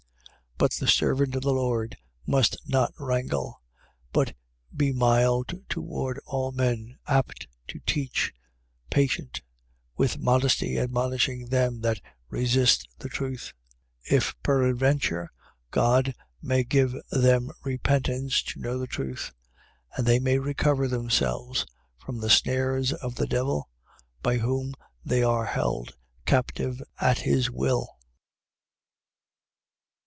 2:24. But the servant of the Lord must not wrangle: but be mild toward all men, apt to teach, patient, 2:25. With modesty admonishing them that resist the truth: if peradventure God may give them repentance to know the truth; 2:26. And they may recover themselves from the snares of the devil by whom they are held captive at his will.